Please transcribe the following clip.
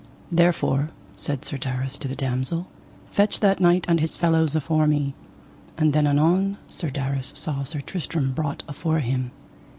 Therefore, said Sir Darras to the damosel, fetch that knight and his fellows afore me. And then anon Sir Darras saw Sir Tristram brought afore him.